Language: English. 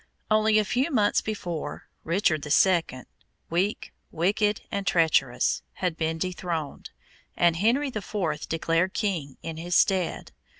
Only a few months before, Richard II weak, wicked, and treacherous had been dethroned, and Henry IV declared King in his stead.